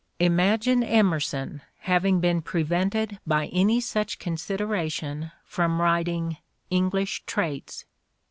Imagine Emerson having been prevented by any such considera tion from writing "English Traits"!